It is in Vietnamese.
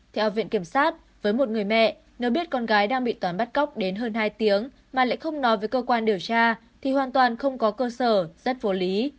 theo viện kiểm sát với một người mẹ nếu biết con gái đang bị toán bắt cóc đến hơn hai tiếng mà lại không nói với cơ quan điều tra thì hoàn toàn không có cơ sở rất vô lý